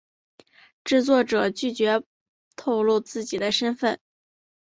制作者拒绝透露自己的身份。